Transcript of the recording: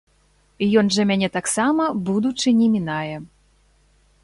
Ён жа мяне таксама, будучы, не мінае.